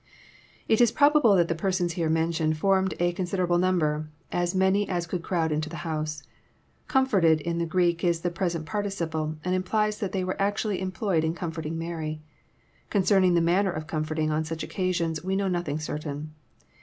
"] It is probable that the persons here mentioned formed a consider able number, — as many as could crowd into the house. *' Com forted " in the Greek is the present participle, and implies that they were actually employed in comforting Mary. Concerning the manner of comforting on such occasions, we know nothing certain.